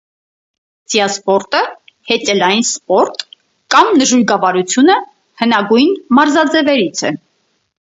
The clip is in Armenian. Ձիասպորտը (հեծելային սպորտ) կամ նժույգավարությունը հնագույն մարզաձևերից է։